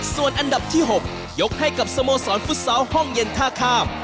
ส่วนอันดับที่๖ยกให้กับสโมสรฟุตซอลห้องเย็นท่าข้าม